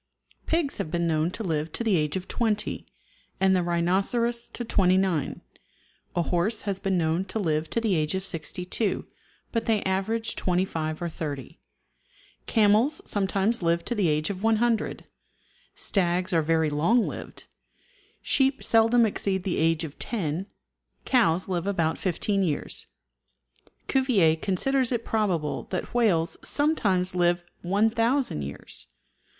Pigs have been known to live to the age of 20, and the rhinoceros to 29; a horse has been known to live to the age of 62, but they average 25 or 30; camels sometimes live to the age of 100; stags are very long lived; sheep seldom exceed the age of 10; cows live about 15 years. Cuvier considers it probable that whales sometimes live 1000 years.